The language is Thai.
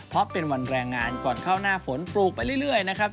เพราะเป็นวันแรงงานก่อนเข้าหน้าฝนปลูกไปเรื่อยนะครับ